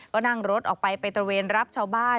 ก็นั่งรถออกไปไปตระเวนรับชาวบ้าน